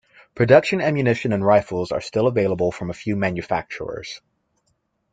Production ammunition and rifles are still available from a few manufacturers.